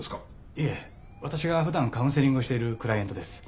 いえ私が普段カウンセリングをしているクライエントです。